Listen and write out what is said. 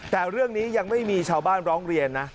แต่เรื่องนี้ยังไม่มีชาวบ้านร้องเรียนนะ